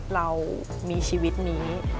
เรามีชีวิตนี้